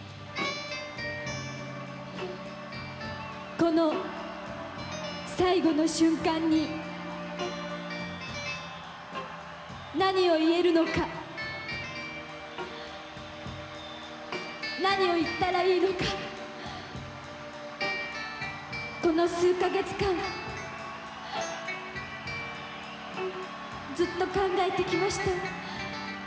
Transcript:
この最後の瞬間に何を言えるのか何を言ったらいいのかこの数か月間ずっと考えてきました。